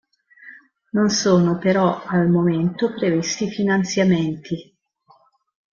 Non sono però al momento previsti finanziamenti.